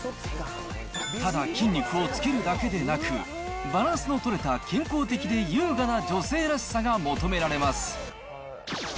ただ筋肉をつけるだけでなく、バランスの取れた健康的で優雅な女性らしさが求められます。